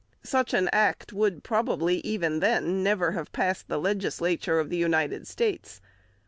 Such an Act would probably, even then, never have passed the Legislature of the United States.